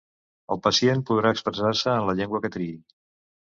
El pacient podrà expressar-se en la llengua que triï.